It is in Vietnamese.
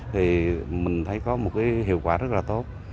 thì mình thấy có một cái hiệu quả rất là tốt